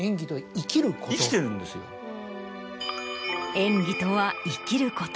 演技とは生きること。